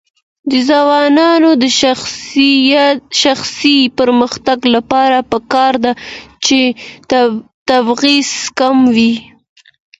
د ځوانانو د شخصي پرمختګ لپاره پکار ده چې تبعیض کموي.